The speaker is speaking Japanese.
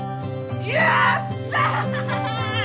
よっしゃあ！